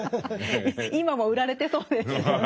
今も売られてそうですよね。